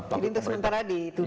jadi untuk sementara di itu ya